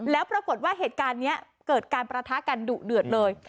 แล้วปรากฏว่าเหตุการณ์นี้เกิดการประทะกันดุเดือดเลย